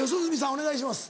お願いします。